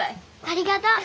ありがとう。